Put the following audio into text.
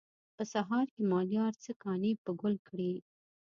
په سهار کې مالیار څه کانې په ګل کړي.